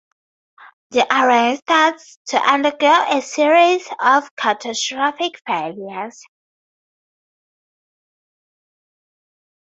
The Array starts to undergo a series of catastrophic failures.